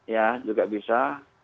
ya juga bisa